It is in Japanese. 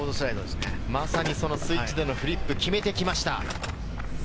まさにそのスイッチでのフリップ、決めてきました。